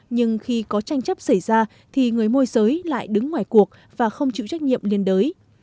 nhưng khi có tranh chấp xảy ra thì người môi giới lại đứng ngoài cuộc và không chịu trách nhiệm liên đới